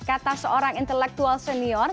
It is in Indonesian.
kata seorang intelektual senior